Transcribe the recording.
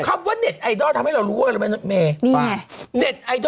คำว่าเน็ตไอดอลทำให้เรารู้ไม่